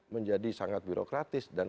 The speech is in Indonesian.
menjadi sangat birokratis dan